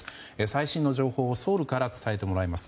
最新の情報をソウルから伝えてもらいます。